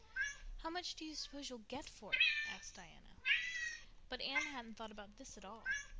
"How much do you suppose you'll get for it?" asked Diana. But Anne had not thought about this at all.